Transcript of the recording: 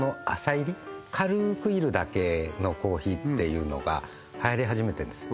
煎り軽く煎るだけのコーヒーっていうのがはやり始めてんですよ